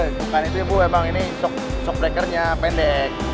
bukan itu ibu memang ini shock breakernya pendek